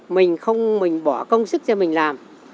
mình không bỏ công sức cho mình làm